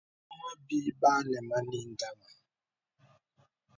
Bòŋhô bī ba àləm ndama.